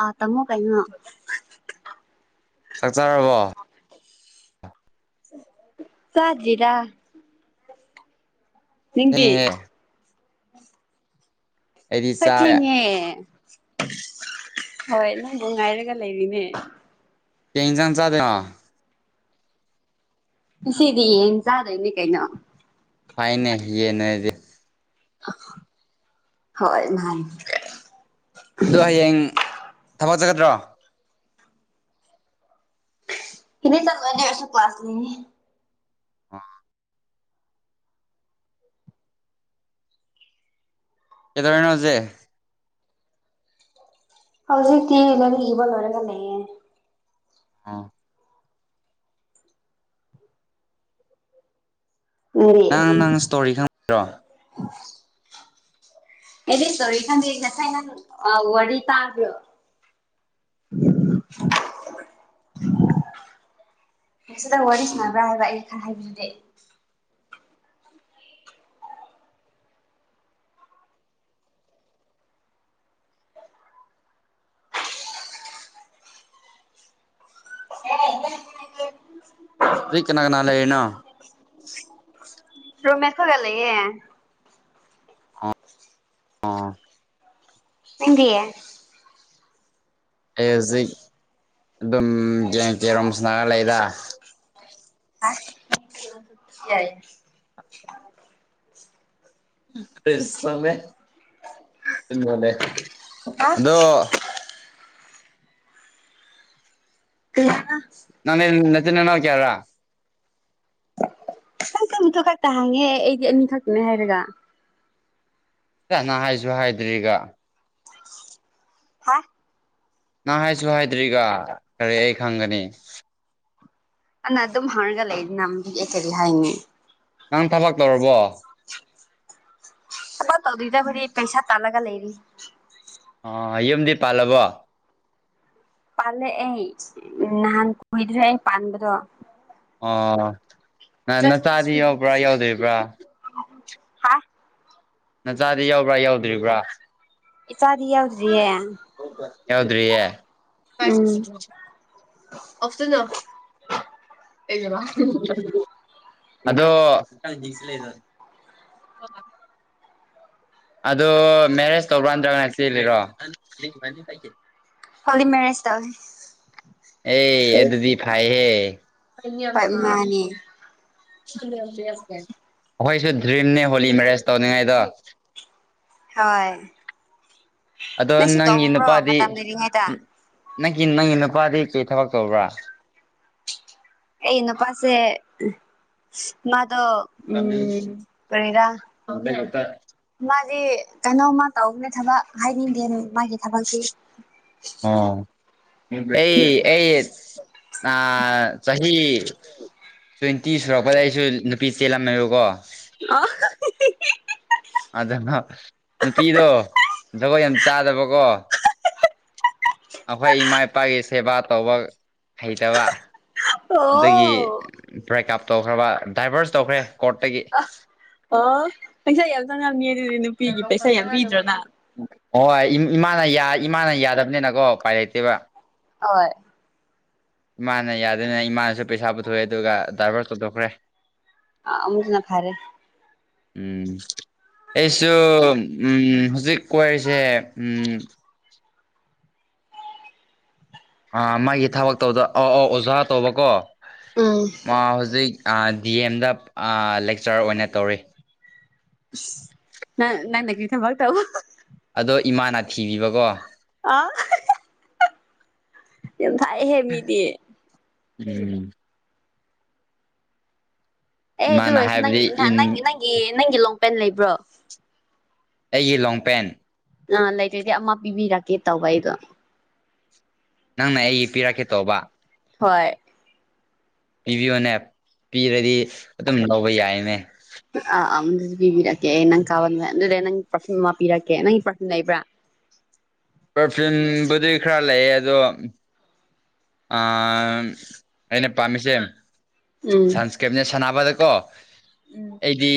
ꯑ ꯇꯃꯣ ꯀꯩꯅꯣ ꯆꯥꯛ ꯆꯥꯔꯕꯣ ꯆꯥꯗ꯭ꯔꯤꯗ ꯗꯤꯡꯗꯤ ꯊꯦꯡꯉꯦꯍꯦ ꯑꯩꯗꯤ ꯍꯣꯏ ꯆꯥꯔꯦ ꯊꯦꯡꯉꯦ ꯍꯣꯏ ꯅꯪ ꯅꯨꯡ ꯉꯥꯏꯔꯒ ꯂꯩꯔꯤꯅꯦ ꯀꯩ ꯏꯟꯖꯥꯡ ꯆꯥꯗꯣꯏꯅꯣ ꯉꯁꯤꯗꯤ ꯌꯦꯟ ꯆꯥꯗꯣꯏꯅꯦ ꯀꯩꯅꯣ ꯐꯥꯏꯅꯦ ꯌꯦꯅ ꯍꯥꯏꯔꯗꯤ ꯍꯣꯏ ꯃꯥꯥꯏ ꯑꯗꯨ ꯍꯌꯦꯡ ꯊꯕꯛꯆꯀꯗ꯭ꯔꯣ ꯀꯅꯤ ꯆꯟ ꯃꯅꯦꯁꯁꯨ ꯀ ꯀ꯭ꯂꯥꯁ ꯂꯩꯉ [unintelligible] ꯑꯥ ꯀꯩꯇꯧꯔꯤꯅꯣ ꯍꯧꯖꯤꯛ ꯍꯧꯖꯤꯛꯇꯤ ꯂꯥꯏꯔꯤꯛ ꯏꯕ ꯂꯣꯏꯔꯒ ꯂꯩꯌꯦ ꯍꯥꯥ ꯅꯪꯗꯤ ꯅꯪ ꯅꯪ ꯁ꯭ꯇꯣꯔꯤ ꯈꯪꯕ꯭ꯔꯣ [inaudible] ꯑꯩꯗꯤ ꯁ꯭ꯇꯣꯔꯤ ꯈꯪꯗꯦ ꯉꯁꯥꯏ ꯅꯪ ꯋꯥꯔꯤ ꯇꯥꯗ꯭ꯔꯣ [inaudible] ꯉꯁꯤꯇꯪ ꯋꯥꯔꯤ ꯁꯥꯟꯕ꯭ꯔꯥ ꯍꯥꯏꯕ ꯑꯩꯅ [unintelligible] ꯅꯣꯏ ꯀꯅꯥ ꯀꯅꯥ ꯂꯩꯔꯤꯅꯣ ꯔꯨꯝ ꯃꯦꯠ ꯈꯣꯏꯒ ꯂꯩꯌꯦ ꯑꯣ ꯅꯪꯗꯤ ꯑꯩ ꯍꯧꯖꯤꯛ ꯑꯗꯨꯝ ꯒꯦꯝ ꯀꯦꯔꯣꯝ ꯁꯅꯔ ꯂꯩꯗ [unintelligible] ꯌꯥꯏ ꯐꯃꯦ [unintelligible] [unintelligible] ꯑꯗꯣ ꯀꯩ ꯍꯥꯏꯕ ꯅꯪꯅꯦ ꯅꯆꯤꯟ ꯅꯅꯥꯎ ꯀꯌꯥ꯭ꯔꯥ [unintelligible] ꯑꯩꯗꯤ ꯑꯅꯤ ꯊꯛꯇꯣꯏꯅꯦ ꯍꯥꯏꯔꯒ [unintelligible] ꯍꯥꯏꯁꯨ ꯍꯥꯏꯗ꯭ꯔꯤꯒ ꯍꯥ ꯅꯪ ꯍꯥꯏꯁꯨ ꯍꯥꯏꯗ꯭ꯔꯤꯒ ꯀꯔꯤ ꯑꯩ ꯈꯪꯒꯅꯤ ꯑꯅ ꯑꯗꯨꯝ ꯍꯥꯡꯔꯒ ꯂꯩ ꯅ ꯑꯩ ꯀꯔꯤ ꯍꯥꯏꯅꯤ ꯅꯪ ꯊꯕꯛ ꯇꯧꯔꯕꯣ ꯊꯕꯛ ꯇꯧꯗ꯭ꯔꯤꯗ ꯑꯩꯈꯣꯢꯗꯤ ꯄꯩꯁꯥ ꯇꯥꯜꯂꯒ ꯂꯩꯔꯤ ꯑꯥ ꯌꯨꯝꯗꯤ ꯄꯥꯜꯂꯕꯣ ꯄꯥꯜꯂꯛꯑꯦ ꯅꯍꯥꯟ ꯀꯨꯢꯗ꯭ꯔꯤ ꯑꯩ ꯄꯥꯥꯟꯕꯗꯣ ꯑꯣ ꯅ ꯅꯆꯥꯗꯤ ꯌꯎꯕ꯭ꯔꯥ ꯌꯧꯗ꯭ꯔꯤꯕ꯭ꯔꯥ ꯍꯥ ꯅꯆꯥꯗꯤ ꯌꯎꯕ꯭ꯔꯥ ꯌꯧꯗ꯭ꯔꯤꯕ꯭ꯔꯥ ꯏꯆꯥꯗꯤ ꯌꯥꯎꯗ꯭ꯔꯤꯌꯦ [unintelligible] ꯌꯥꯎꯗ꯭ꯔꯤꯌꯦ [unintelligible] ꯎꯝ [unintelligible] [unintelligible] ꯑꯗꯣ [unintelligible] ꯑꯗꯣ ꯃꯦꯔꯦꯖ ꯇꯧꯕ꯭ꯔꯥ ꯅꯇ꯭ꯔꯒꯅ ꯆꯦꯜꯂꯤꯔꯣ ꯍꯣꯂꯤ ꯃꯦꯔꯦꯖ ꯇꯧꯋꯦ ꯑꯦ ꯑꯗꯨꯗꯤ ꯐꯩꯍꯦ [unintelligible] ꯍꯣꯏ ꯃꯥꯅꯤ ꯑꯩꯈꯣꯏꯁꯨ ꯗ꯭ꯔꯤꯝꯅꯦ ꯍꯣꯂꯤ ꯃꯦꯔꯦꯖ ꯇꯧꯅꯤꯡꯉꯥꯏꯗꯣ ꯍꯣꯏ ꯑꯗꯣ ꯅꯪꯁꯨ ꯅꯪꯒꯤ ꯇꯧꯍꯧꯕ꯭ꯔꯣ ꯅꯨꯄꯥꯗꯤ ꯃꯇꯝ ꯂꯩꯔꯤꯉꯩꯗ ꯅꯪꯒꯤ ꯅꯪ ꯅꯨ ꯅꯨꯄꯥꯗꯤ ꯀꯩ ꯊꯕꯛ ꯇꯧꯕ꯭ꯔꯥ ꯑꯩ ꯅꯄꯥꯥꯁꯦ ꯃꯥ ꯗꯣ ꯎꯝ ꯀꯔꯤꯔꯥ [unintelligible] ꯃꯥꯖꯤ ꯀꯩꯅꯣꯝꯃ ꯇꯧꯅꯦ ꯊꯕꯛ ꯍꯥꯏꯅꯤꯡꯗꯦ ꯃꯥꯒꯤ ꯊꯕꯛꯇꯤ ꯑꯥ ꯑꯩ ꯑꯩ ꯑ ꯆꯍꯤ ꯇ꯭ꯋꯦꯟꯇꯤ ꯁꯨꯔꯛꯄꯗ ꯑꯩꯁꯨ ꯅꯨꯄꯤ ꯆꯦꯜꯂꯝꯃꯦꯕꯀꯣ [unintelligible] ꯊꯕꯛ ꯌꯥꯝ ꯆꯥꯗꯕꯀꯣ ꯑꯈꯣꯏ ꯏꯃꯥ ꯏꯄꯥꯒꯤ ꯁꯦꯕꯥ ꯇꯧꯕ ꯍꯩꯇꯕ ꯑꯗꯒꯤ ꯕ꯭ꯔꯦꯛꯑꯞ ꯇꯧꯈ꯭ꯔꯕ ꯗꯥꯏꯚ꯭ꯔꯁ ꯇꯧꯈ꯭ꯔꯦ ꯀꯣꯠꯇꯒꯤ ꯑꯣ ꯄꯩꯁꯥ ꯌꯥꯝ ꯆꯪꯉꯝꯅꯤ ꯑꯗꯨꯗꯤ ꯅꯨꯄꯤꯒꯤ ꯄꯩꯁꯥ ꯌꯥꯝ [unintelligible] ꯍꯣꯏ ꯏꯃꯥꯅ [unintelligible] ꯏꯃꯥꯅ ꯌꯥꯗꯞꯅꯤꯅꯀꯣ ꯎꯄꯥꯏ ꯂꯩꯇꯦꯕ ꯑꫭꯏ ꯏꯃꯥꯅ ꯌꯥꯗꯅ ꯏꯃꯥꯅꯁꯨ ꯄꯩꯁꯥ ꯄꯨꯊꯣꯛꯑꯦ ꯑꯗꯨꯒ ꯗꯥꯏꯚ꯭ꯔꯁ ꯇꯧꯊꯣꯛꯈ꯭ꯔꯦ ꯑ ꯑꯃꯨꯛ ꯍꯦꯟꯅ ꯐꯔꯦ ꯎꯝ ꯑꯩꯁꯨ ꯎꯝ ꯍꯧꯖꯤꯛ ꯀꯣꯢꯔꯤꯁꯦ ꯎꯝ ꯑꯥ ꯃꯥꯒꯤ ꯊꯕꯛꯇꯧꯗꫭ ꯑꯧ ꯑꯧ ꯑꯣꯖꯥ ꯇꯧꯕꯀꯣ ꯎꯝ ꯃꯥ ꯍꯧꯖꯤꯛ ꯑꯥ ꯗꯤ ꯑꯦꯝꯗ ꯂꯦꯛꯆꯔ ꯑꯣꯏꯅ ꯇꯧꯔꯤ ꯏꯁ ꯅꯪ ꯅꯪꯅ ꯀꯔꯤ ꯊꯕꯛ ꯇꯧꯕ ꯑꯗꯣ ꯏꯃꯥꯅ ꯊꯤꯕꯤꯕꯀꯣ ꯑ ꯌꯥꯝ ꯊꯥꯢꯍꯦ ꯃꯤꯗꯤ ꯎꯝ ꯑꯦ ꯑꯗꯨ ꯃꯥꯅ ꯑꯣꯏꯔꯁꯨ ꯅꯪ ꯍꯥꯏꯕꯗꯤ ꯏꯟ ꯅꯪ ꯅꯪꯒꯤ ꯅꯪꯒꯤ ꯂꯣꯡꯄꯦꯟ ꯂꯩꯕ꯭ꯔꯣ ꯑꯩꯒꯤ ꯂꯣꯡꯄꯦꯟ [unintelligible] ꯂꯩꯇꯗꯤ ꯑꯃ ꯄꯤꯕꯤꯔꯛꯀꯦ ꯇꯧꯕ ꯑꯩꯗꯣ ꯅꯪꯅ ꯑꯩꯒꯤ ꯄꯤꯔꯛꯀꯦ ꯇꯧꯕ ꯍꯣꯏ ꯄꯤꯕꯤꯌꯣꯅꯦ ꯄꯤꯔꯗꯤ ꯑꯗꯨꯝ ꯂꯧꯕ ꯌꯥꯏꯅꯦ ꯑꯥ ꯑꯝ ꯄꯤꯕꯤꯔꯛꯀꯦ ꯅꯪ ꯀꯥꯕ [unintelligible] ꯑꯗꯨꯗ ꯅꯪꯒꯤ ꯄꯔꯐꯤꯝ ꯑꯃ ꯄꯤꯔꯛꯀꯦ ꯅꯪꯒꯤ ꯄꯔꯐꯤꯝ ꯂꯩꯕ꯭ꯔ ꯄꯔꯐꯤꯟꯕꯨꯗꯤ ꯈꯔ ꯂꯩꯌꯦ ꯑꯗꯣ ꯑ‌ ꯑꯩꯅ ꯄꯥꯝꯃꯤꯁꯦ ꯎꯝ ꯁꯟꯁꯀꯦꯞꯅꯦ ꯁꯥꯟꯅꯕꯗ ꯀꯣ ꯑꯩꯗꯤ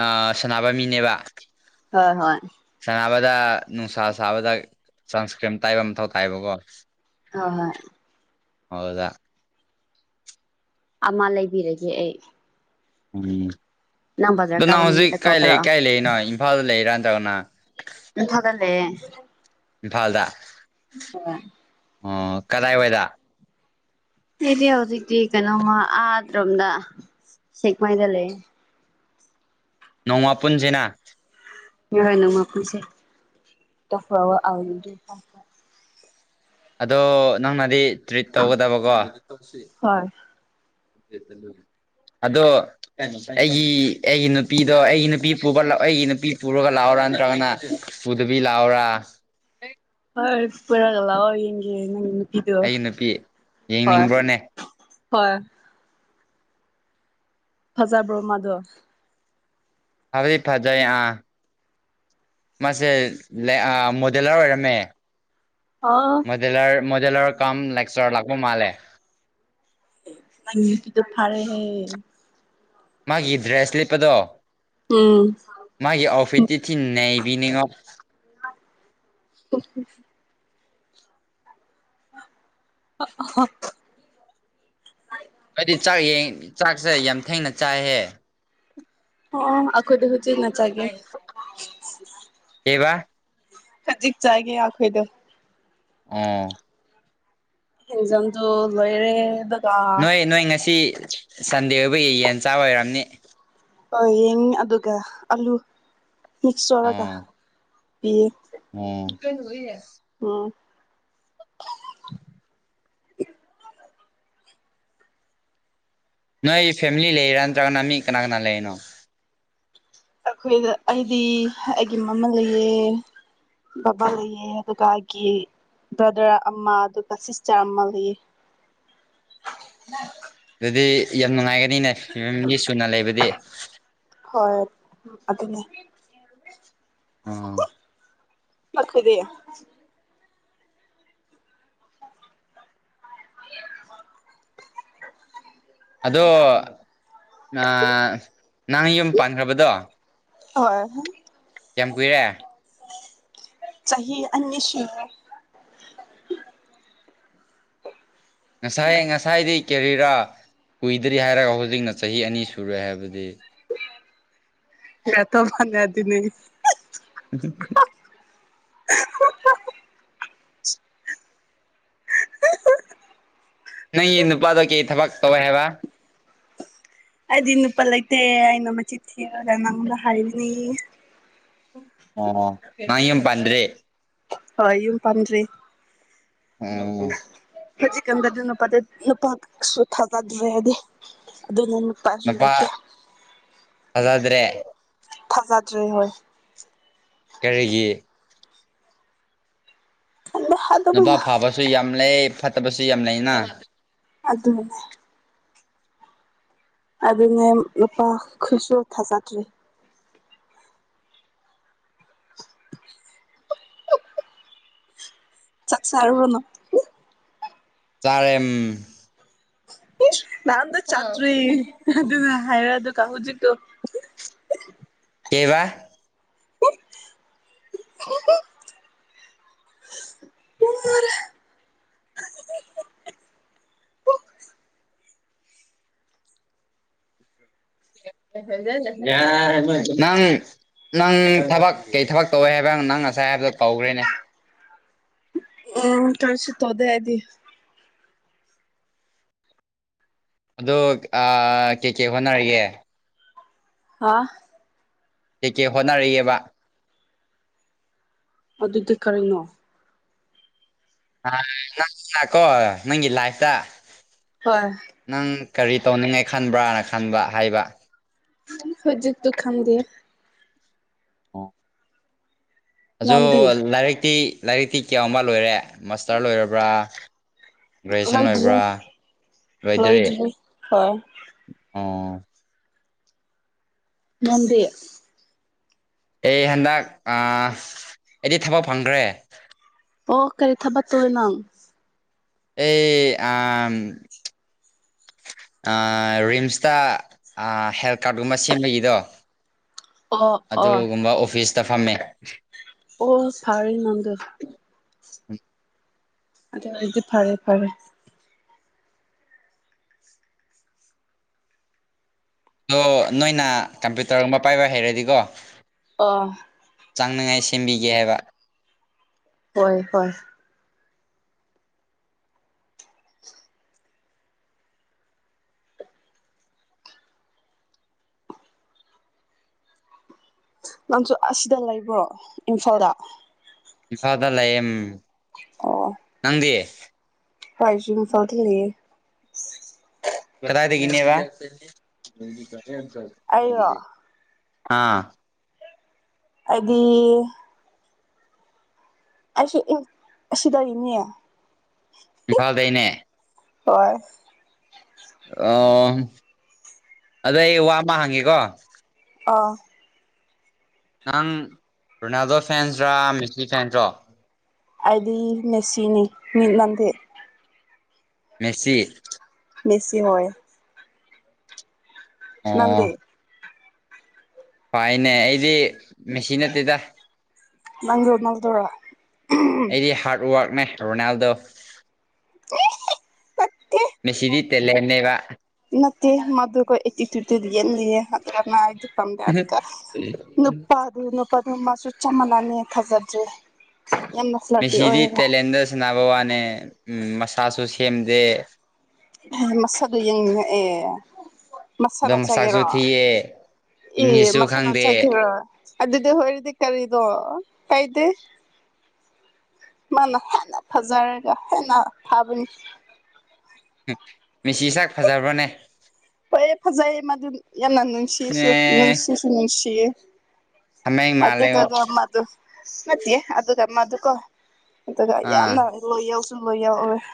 ꯑꯥ ꯁꯥꯅꯕ ꯃꯤꯅꯦꯕ ꯍꯣꯏ ꯍꯣꯏ [unintelligible] ꯅꯨꯡꯁꯥ ꯁꯥꯕꯗ ꯁꯟꯁꯀ꯭ꯔꯤꯝ ꯇꯩꯕ ꯃꯊꯧ ꯇꯥꯏꯌꯦꯕꯀꯣ [unintelligible] ꯍꯣꯏ [unintelligible] ꯑꯃ ꯂꯩꯕꯤꯔꯒꯦ ꯑꯩ ꯎꯝ ꯕꯖꯥꯔ ꯑꯗꯨ ꯀꯥꯕ ꯅꯪ ꯍꯧꯖꯤꯛ ꯅꯨꯃꯤꯠꯇ ꯀꯣꯜ ꯀꯥꯏ ꯂꯩ ꯇꯧꯔꯛꯑꯣ ꯀꯥꯏ ꯂꯩꯅꯣ ꯏꯝꯐꯥꯜꯗ ꯂꯩꯔ ꯅꯠꯇ꯭ꯔꯒꯅ ꯏꯝꯐꯥꯜꯗ ꯂꯩꯌꯦ ꯏꯝꯐꯥꯜꯗ [inaudible] ꯑꯣ ꯀꯗꯥꯏꯋꯥꯏꯗ ꯑꯩꯗꯤ ꯍꯧꯖꯤꯛꯇꯤ ꯀꯩꯅꯣꯝꯃ ꯑꯥ [unintelligible] ꯁꯦꯛꯃꯥꯏꯗ ꯂꯩꯌꯦ ꯅꯣꯡꯃ ꯄꯨꯨꯟꯖꯤꯅꯥ [unintelligible] ꯅꯣꯡꯃ ꯄꯨꯟꯁꯦ [unintelligible] ꯑꯗꯣ ꯅꯪꯅꯗꯤ ꯇ꯭ꯔꯤꯠ ꯇꯧꯒꯗꯕꯀꯣ [unintelligible] ꯑꯗꯣ ꯑꯩꯒꯤ ꯑꯩꯒꯤ ꯅꯨꯄꯤꯗꯣ ꯑꯩꯒꯤ ꯅꯨꯄꯤ [unintelligible] ꯑꯩꯒꯤ ꯅꯨꯄꯤ ꯄꯨꯔꯒ ꯂꯥꯛꯑꯣꯔ ꯅꯠꯇ꯭ꯔꯒꯅ ꯄꯨꯗꯕꯤ ꯂꯥꯛꯑꯣꯔ ꯍꯣꯏ ꯄꯨꯔꯒ ꯂꯥꯛꯑꯣ ꯌꯦꯡꯒꯦ ꯅꯪꯒꯤ ꯅꯨꯄꯤꯗꯣ ꯑꯩꯒꯤ ꯅꯨꯄꯤ ꯍꯣꯏ ꯌꯦꯡꯅꯤꯡꯕ꯭ꯔꯣꯅꯦ ꯍꯣꯏ ꯐꯖꯕ꯭ꯔꯣ ꯃꯥꯗꯣ ꯐꯕꯗꯤ ꯐꯖꯩ ꯑ ꯃꯥꯁꯦ [unintelligible] ꯑ ꯃꯣꯗꯦꯂꯔ ꯑꯣꯏꯔꯝꯃꯦ ꯑꯣ ꯃꯣꯗꯦꯂꯔ ꯃꫭ ꯗꯦꯂꯔ ꯀꯝ ꯂꯦꯛꯆꯔ ꯂꯥꯛꯄ ꯃꯥꯜꯂꯦ ꯅꯪꯒꯤ ꯅꯨꯄꯤꯗꫭ ꯐꯔꯦ ꯍꯦ ꯃꯥꯒꯤ ꯗ꯭ꯔꯦꯁ ꯂꯤꯠꯄꯗꯣ ꯎꯝ ꯃꯥꯒꯤ ꯑꯥꯎꯐꯤꯠꯇꯤ ꯊꯤꯟ ꯅꯩ ꯃꯤꯅꯤ ꯉꯣꯐ [unintelligible] [unintelligible] ꯅꯣꯏꯗꯤ ꯆꯥꯛ ꯌꯦꯡ ꯆꯥꯛꯁꯦ ꯌꯥꯝ ꯊꯦꯡꯅ ꯆꯥꯏꯍꯦ ꯑꯣ ꯑꯈꯣꯏꯗꯤ ꯍꯨꯖꯤꯛ ꯉꯆꯒꯦ ꯀꯩꯕꯥ ꯈꯖꯤꯛ ꯆꯥꯒꯦ ꯑꯈꯣꯏꯗꯣ ꯑꯣ ꯑꯦꯛꯖꯥꯝꯗꯣ ꯂꯣꯏꯔꯦꯕ ꯅꯣꯏ ꯅꯣꯏ ꯉꯁꯤ ꯁꯟꯗꯦ ꯑꯣꯏꯕꯒꯤ ꯌꯦꯟ ꯆꯥꯕ ꯑꯣꯏꯔꯝꯅꯤ ꯑꯣ ꯌꯦꯡ ꯑꯗꯨꯒ ꯑꯂꯨ ꯃꯤꯛꯁ ꯇꯧꯔꯒ ꯑꯣ ꯄꯤꯌꯦ ꯑꯣ [unintelligible] [unintelligible] ꯅꯣꯏꯒꯤ ꯐꯦꯝꯂꯤ ꯂꯩꯔꯥ ꯅꯠꯇ꯭ꯔꯒꯅ ꯃꯤ ꯀꯅꯥ ꯀꯅꯥ ꯂꯩꯔꯤꯅꯣ ꯑꯈꯣꯏꯗ ꯑꯩꯗꯤ ꯑꯩꯒꯤ ꯃꯃꯜ ꯂꯩꯌꯦ ꯕꯕꯥ ꯂꯩꯌꯦ ꯑꯗꯨꯒ ꯑꯩꯒꯤ ꯕ꯭ꯔꯗꯔ ꯑꯃ ꯑꯗꯨꯒ ꯁꯤꯁꯇꯔ ꯑꯃ ꯂꯩꯌꯦ ꯗꯨꯗꯤ ꯌꯥꯝ ꯅꯨꯡꯉꯥꯏꯒꯅꯤꯅꯦ ꯌꯨꯝ ꯃꯤ ꯁꯨꯅ ꯂꯩꯕꯗꯤ ꯍꯣꯏ ꯑꯗꯨꯅꯦ ꯑꯣ [unintelligible] [inaudible] ꯑꯗꯣ ꯅ ꯅꯪ ꯌꯨꯝ ꯄꯥꯟꯈ꯭ꯔꯕꯗꯣ ꯍꯣꯏ ꯀ꯭ꯌꯥꯝ ꯀꯨꯏꯔꯦ ꯆꯍꯤ ꯑꯅꯤ ꯁꯨꯔꯦ ꯉꯁꯥꯏ ꯉꯁꯥꯏꯗꯤ ꯀꯦꯔꯤꯔꯥ ꯀꯨꯏꯗ꯭ꯔꯤ ꯍꯥꯏꯔꯒ ꯍꯧꯖꯤꯛꯅ ꯆꯍꯤ ꯑꯅꯤ ꯁꯨꯔꯦ ꯍꯥꯏꯕꯗꯤ [unintelligible] [inaudible] [unintelligible] ꯅꯪꯒꯤ ꯅꯨꯄꯥꯗꯣ ꯀꯩ ꯊꯕꯛ ꯇꯧꯋꯦ ꯍꯥꯏꯕ ꯑꯩꯗꯤ ꯅꯨꯄꯥ ꯂꯩꯇꯦ ꯑꯩꯅ ꯃꯆꯤꯟ ꯊꯤꯔꯒ ꯅꯪ ꯅꯪꯉꯣꯟꯗ ꯍꯥꯏꯕꯅꯤ ꯑꯣ ꯅꯪ ꯌꯨꯝ ꯄꯥꯟꯗ꯭ꯔꯤ ꯍꯣꯏ ꯌꯨꯝ ꯄꯥꯟꯗ꯭ꯔꯤ ꯑꯣ ꯍꯧꯖꯤꯛꯀꯥꯟꯗꯗꯤ ꯅꯨꯄꯥꯗ ꯅꯨꯄꯥꯁꯨ ꯊꯥꯒꯠꯗ꯭ꯔꯦ ꯍꯥꯏꯗꯤ ꯑꯗꯨꯅ ꯅꯨꯄꯥꯁꯨ ꯅꯨꯄꯥ ꯂꯩꯇꯦ ꯊꯥꯖꯗ꯭ꯔꯦ ꯊꯥꯖꯗ꯭ꯔꯦ ꯍꯣꯏ ꯀꯔꯤꯒꯤ ꯈꯟꯗꯦ ꯅꯨꯄꯥ ꯑꯗꯨꯃꯥꯏꯅ ꯐꯥꯕꯁꯨ ꯌꯥꯝ ꯂꯩ ꯐꯠꯇꯕꯁꯨ ꯌꯥꯝ ꯂꯩꯅ ꯑꯗꯨ ꯑꯗꯨꯅꯦ ꯅꯨꯄꯥ ꯈꯨꯠꯁꯨ ꯊꯥꯖꯗ꯭ꯔꯤ [inaudible] ꯆꯥꯛ ꯆꯥꯔꯕꯣ ꯅꯪ ꯆꯥꯔꯦꯝ ꯅꯥꯍꯥꯟꯗꯩ ꯆꯥꯗ꯭ꯔꯤ ꯑꯗꯨꯅ ꯍꯥꯏꯔ ꯑꯗꯨꯀ ꯍꯧꯖꯤꯛ ꯇꯣ ꯀꯦꯕꯥ [unintelligible] [unintelligible] [unintelligible] ꯅꯪ ꯅꯪ ꯊꯕꯛ ꯀꯩ ꯊꯕꯛ ꯇꯧꯋꯦ ꯍꯥꯏꯕ ꯅꯪ ꯉꯁꯥꯏ ꯍꯥꯏꯕꯗꯣ ꯀꯥꯎꯒ꯭ꯔꯦꯅꯦ [inaudible] ꯎꯝ ꯀꯔꯤꯁꯨ ꯇꯣꯗꯦ ꯑꯩꯗꯤ ꯑꯗꯣ ꯁꯥ ꯀꯩ ꯀꯩ ꯍꯣꯠꯅꯔꯤꯒꯦ ꯑꯥ ꯀꯦꯀꯦ ꯍꯣꯠꯅꯔꯤꯌꯦꯕ ꯑꯗꯨꯗꯤ ꯀꯔꯤꯅꯣ ꯑꯥ ꯅꯪꯅꯀꯣ ꯅꯪꯒꯤ ꯂꯥꯏꯐꯇ ꯍꯣꯏ ꯅꯪ ꯀꯔꯤ ꯇꯧꯅꯤꯡꯉꯥꯢ ꯈꯟꯕ꯭ꯔꯅ ꯈꯟꯕ ꯍꯥꯏꯕ ꯍꯨꯖꯤꯛꯇꯨ ꯈꯝꯗꯦ ꯑꯣ ꯑꯖꯣ ꯅꯪꯗꯤ ꯂꯥꯏꯔꯤꯛꯇꯤ ꯂꯥꯏꯔꯤꯛꯇꯤ ꯀꯌꯥꯎꯝꯕ ꯂꯣꯏꯔꯦ ꯃꯥꯁꯇ꯭ꯔ ꯂꯣꯏꯔꯕ꯭ꯔꯥ ꯒ꯭ꯔꯦꯖ꯭ꯌꯦꯁꯟ ꯂꯣꯏꯕ꯭ꯔꯥ ꯂꯣꯏꯗ꯭ꯔꯤ ꯂꯣꯏꯗ꯭ꯔꯤ ꯑꯣ ꯅꯟꯗꯤ ꯑꯦ ꯍꯟꯗꯛ ꯑꯥ ꯑꯩꯗꯤ ꯊꯕꯛ ꯐꯪꯒ꯭ꯔꯦ ꯑꯣ ꯀꯔꯤ ꯊꯕꯛ ꯇꯣꯏꯅꯣ ꯑꯦ ꯑꯥꯝ ꯑꯥ ꯔꯤꯝꯁꯇ ꯑꯥ ꯍꯦꯜꯊ ꯀꯥ꯭ꯔꯠ ꯒꯨꯝꯕ ꯁꯦꯝꯕꯒꯤꯗꯣ ꯑꯣ ꯑꯣ ꯑꯗꯨꯒꯨꯝꯕ ꯑꯣꯐꯤꯁꯇ ꯐꯝꯃꯦ [unintelligible] ꯑꯗꯨꯢ ꯑꯣꯢꯗꯤ ꯐꯔꯦ ꯐꯔꯦ ꯗꯣ ꯅꯣꯏꯅ ꯀꯝꯄ꯭ꯌꯨꯇ꯭ꯔꯒꯨꯝꯕ ꯄꯥꯏꯕ ꯍꯩꯔꯗꯤꯀꯣ ꯑ ꯇꯥꯡꯅꯉꯥꯏ ꯁꯦꯝꯕꯤꯒꯦ ꯍꯥꯏꯕ ꯍꯣꯏ ꯍꯣꯏ ꯅꯪꯁꯨ ꯑꯁꯤꯗ ꯂꯩꯕ꯭ꯔꯣ ꯏꯝꯐꯥꯜꯗ ꯏꯝꯐꯥꯜꯗ ꯂꯩꯌꯦꯝ ꯅꯪꯗꯤ [unintelligible] ꯂꯌꯦ ꯀꯗꯥꯢꯗꯒꯤꯅꯦꯕ ꯑꯩꯔꯣ ꯑꯥ ꯑꯗꯤ ꯑꯩꯁꯨ ꯏ ꯑꯁꯤꯗꯒꯤꯅꯦ ꯏꯝꯐꯥꯜꯗꯩꯅꯦ ꯍꯣꯏ ꯑꯣꯝ ꯑꯗꯣ ꯑꯩ ꯋꯥ ꯑꯃ ꯍꯪꯒꯦꯀꯣ ꯑꯥ ꯅꯪ ꯔꯣꯅꯥꯜꯗꯣ ꯐꯦꯟꯁ꯭ꯔꯥ ꯃꯦꯁꯤ ꯐꯦꯟꯁ꯭ꯔꯣ ꯑꯩꯗꯤ ꯃꯦꯁꯤꯅꯤ ꯃꯤ ꯅꯪꯗꯤ ꯃꯦꯁꯤ ꯃꯦꯁꯤ ꯍꯣꯌꯦ ꯅꯥꯟꯗꯦ ꯍꯣꯏꯅꯦ ꯑꯩꯗꯤ ꯃꯦꯁꯤ ꯅꯠꯇꯦꯗ ꯅꯪꯗꯤ ꯔꯣꯅꯥꯜꯗꯣꯔꯥ ꯑꯩꯗꯤ ꯍꯥꯔꯠ ꯋꯥꯔꯛꯅꯦ ꯔꯣꯅꯥꯜꯗꯣ ꯅꯠꯇꯦ ꯃꯦꯁꯤꯗꯤ ꯇꯦꯂꯦꯟꯅꯦꯕ ꯅꯠꯇꯦ ꯃꯥꯗꯨꯀꯣ ꯑꯦꯇꯤꯇ꯭ꯌꯨꯠꯇꯗꯤ ꯌꯦꯟꯂꯤꯌꯦ ꯑꯗꯨꯒ ꯃꯥꯗꯤ ꯕꯝꯗ ꯑꯗꯨꯒ ꯅꯨꯄꯥꯗꯨ ꯅꯨꯄꯥꯗꯨꯅ ꯃꯥꯁꯨ ꯆꯝꯃꯥꯂꯥꯅꯦ ꯊꯥꯖꯗ꯭꯭ꯔꯦ ꯃꯦꯁꯤꯗꯤ ꯇꯦꯂꯦꯟꯗ ꯁꯥꯟꯅꯕ ꯋꯥꯅꯦ ꯎꯝ ꯃꯁꯥꯁꯨ ꯁꯦꯝꯗꯦ ꯎꯝ ꯃꯁꯛ ꯌꯦꯡꯅꯤꯡꯉꯛꯑꯦ ꯑꯗꯣ ꯃꯁꯛꯅ ꯃꯁꯥꯛꯁꯨ ꯆꯥꯒꯦꯔꯣ ꯊꯤꯌꯦ ꯑꯦ ꯏꯪꯂꯤꯁꯁꯨ ꯃꯁꯛꯅ ꯈꯪꯗꯦ ꯆꯥꯒꯦꯔꯣ ꯑꯗꯨꯗꯤ ꯍꯣꯏꯔꯦꯟꯗꯤ ꯀꯔꯤꯅꯣ ꯍꯥꯢꯗꯤ ꯃꯥꯅ ꯍꯦꯟꯅ ꯐꯖꯔꯒ ꯍꯦꯟꯅ ꯐꯥꯕꯅꯤ ꯍ ꯃꯦꯁꯤ ꯁꯛ ꯐꯖꯕ꯭ꯔꯣꯅꯦ ꯄꯛꯑꯦ ꯐꯖꯩꯌꯦ ꯃꯗꯨꯗꯤ ꯌꯥꯝꯅ ꯅꯨꯡꯁꯤꯌꯦꯁꯨ ꯑꯦ ꯅꯨꯡꯁꯤꯁꯨ ꯅꯨꯡꯁꯤꯌꯦ ꯍꯥꯃꯦꯡ ꯃꯥꯜꯂꯦꯉꯣ ꯑꯗꯨꯒꯅꯣ ꯃꯥꯗꯨ ꯍꯁ ꯅꯠꯇꯦ ꯑꯗꯨꯗ ꯃꯥꯗꯨꯀꯣ ꯑꯗꯨꯒ ꯑꯥ ꯌꯥꯝꯅ ꯂꯣꯏꯌꯦꯜ ꯎꯝ ꯂꯣꯌꯦꯜ ꯑꯣꯢꯌꯦ